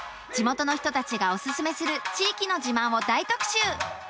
地元の人たちがお勧めする地域の自慢を大特集。